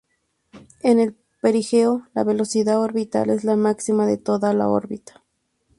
En el perigeo la velocidad orbital es la máxima de toda la órbita.